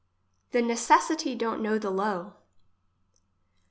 The necessity don't know the low.